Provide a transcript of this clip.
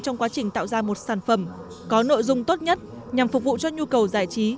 trong quá trình tạo ra một sản phẩm có nội dung tốt nhất nhằm phục vụ cho nhu cầu giải trí